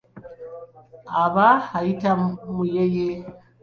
Aba ayitibwa muyeeye.